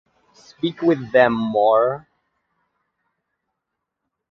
Speak with them more.